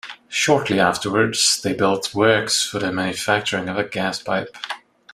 Shortly afterwards, they built works for the manufacturing of a gas pipe.